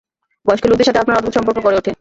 বয়স্ক লোকদের সাথে আপনার অদ্ভুত সম্পর্ক গড়ে ওঠে।